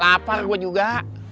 lapar gua juga